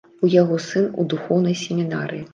У яго сын у духоўнай семінарыі.